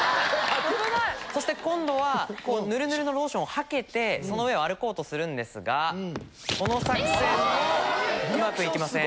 そして今度はヌルヌルのローションをはけてその上を歩こうとするんですがこの作戦もうまく行きません。